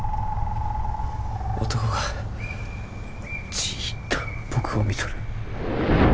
男がじっと僕を見とる。